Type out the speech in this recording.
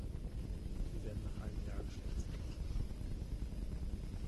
Sie werden nach einem Jahr geschlechtsreif.